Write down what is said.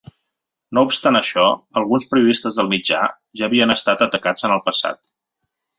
No obstat això, alguns periodistes del mitjà ja havien estat atacats en el passat.